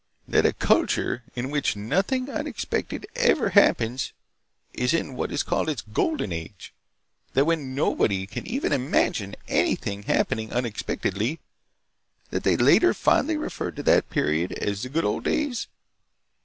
That a culture in which nothing unexpected ever happens is in what is called its Golden Age? That when nobody can even imagine anything happening unexpectedly, that they later fondly refer to that period as the Good Old Days?"